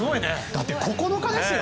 だって９日ですよ！